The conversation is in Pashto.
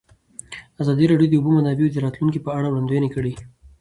ازادي راډیو د د اوبو منابع د راتلونکې په اړه وړاندوینې کړې.